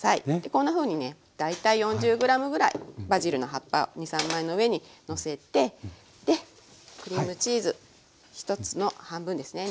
こんなふうにね大体４０ｇぐらいバジルの葉っぱ２３枚の上にのせてでクリームチーズ１つの半分ですね